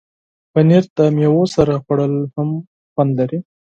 پنېر د میوو سره خوړل هم خوند لري.